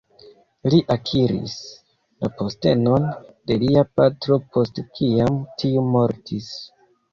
Li akiris la postenon de lia patro post kiam tiu mortis.